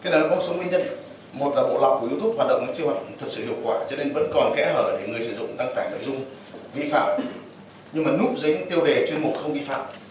còn kẽ hở để người sử dụng đăng tải nội dung vi phạm nhưng mà núp dính tiêu đề chuyên mục không vi phạm